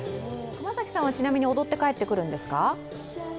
熊崎さんはちなみに踊って帰ってくるんですか？